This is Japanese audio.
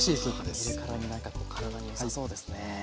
はあ見るからになんかこう体に良さそうですね。